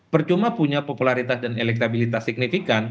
percuma punya popularitas dan elektabilitas signifikan